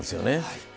はい。